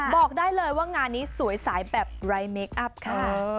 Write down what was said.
บอกได้เลยว่างานนี้สวยสายแบบไร้เมคอัพค่ะ